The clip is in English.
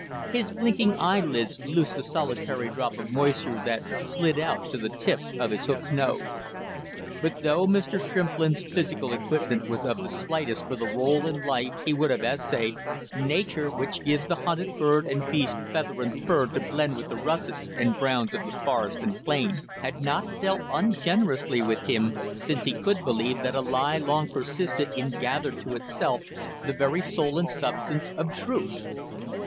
His blinking eyelids loosed a solitary drop of moisture that slid out to the tip of his hooked nose. But though Mr. Shrimplin's physical equipment was of the slightest for the rôle in life he would have essayed, nature, which gives the hunted bird and beast feather and fur to blend with the russets and browns of the forest and plain, had not dealt ungenerously with him, since he could believe that a lie long persisted in gathered to itself the very soul and substance of truth.